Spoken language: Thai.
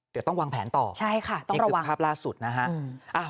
เดี๋ยวต้องวางแผนต่อนี่คือภาพล่าสุดนะฮะ